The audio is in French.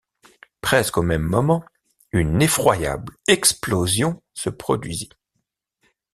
Presque au même instant, une effroyable explosion se produisit.